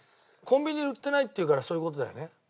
コンビニに売ってないっていうからそういう事だよね。